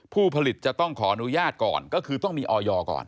ผู้ผลิตจะต้องขออนุญาตก่อนก็คือต้องมีออยก่อน